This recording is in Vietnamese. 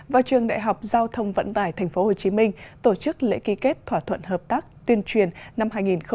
và trường đại học giao thông vận tải tp hcm tổ chức lễ ký kết thỏa thuận hợp tác tuyên truyền năm hai nghìn một mươi chín